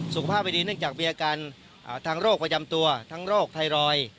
สุขภาพดีเนื่องจากวิทยาการทางโรคประจำตัวทางโรคไทรอย